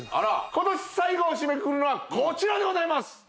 今年最後を締めくくるのはこちらでございます！